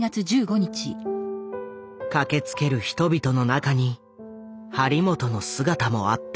駆けつける人々の中に張本の姿もあった。